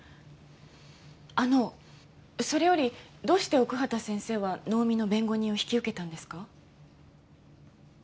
あのそれよりどうして奥畑先生は能見の弁護人を引き受けたんですか？